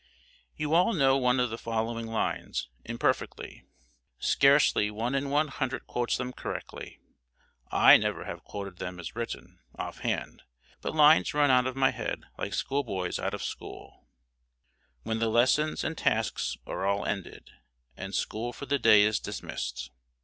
You all know one of the following lines, imperfectly. Scarcely one in one hundred quotes them correctly. I never have quoted them as written, off hand but lines run out of my head like schoolboys out of school, "When the lessons and tasks are all ended, And school for the day is dismissed."